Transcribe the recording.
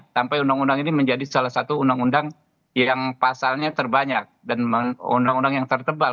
sampai undang undang ini menjadi salah satu undang undang yang pasalnya terbanyak dan undang undang yang tertebal